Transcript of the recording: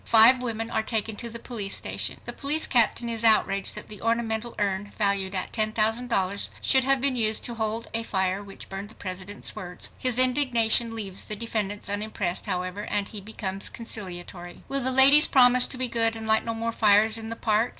Five women are taken to the police station. The police captain is outraged that the ornamental urn valued at $10,000 should have been used to hold a fire which burned the President's words! His indignation leaves the defendants unimpressed, however, and he becomes conciliatory. Will the "ladies promise to be good and light no more fires in the park?"